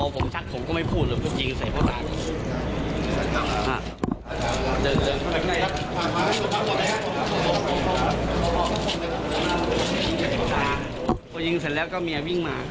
ไปโดนสักหลังเขาล้มแล้วก็ผมไม่ได้สนใจ